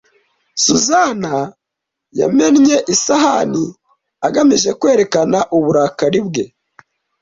Susan yamennye isahani agamije kwerekana uburakari bwe.